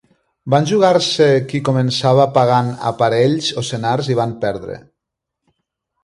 Van jugar-se qui començava pagant a parells o senars i van perdre.